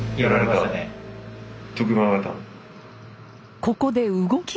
ここで動きが！